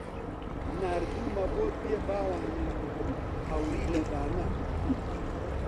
ناردوومە بۆت بێ باوانم هەوری لە بانە